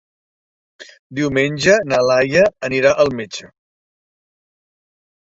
Diumenge na Laia anirà al metge.